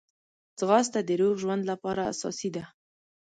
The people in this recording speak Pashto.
ځغاسته د روغ ژوند لپاره اساسي ده